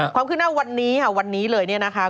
ความคืบหน้าวันนี้ค่ะวันนี้เลยเนี่ยนะคะ